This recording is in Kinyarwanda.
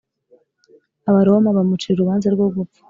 abaroma bamucira urubanza rwo gupfa